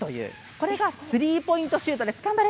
これがスリーポイントシュートです。